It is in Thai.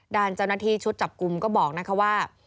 ด้านเจ้าหน้าที่ชุดจับกลุ่มก็บอกนะคะว่า